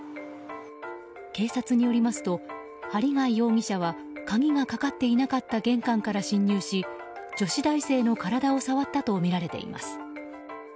警察によりますと針谷容疑者は鍵がかかっていなかった玄関から侵入し女子大生の体を触ったとみられています。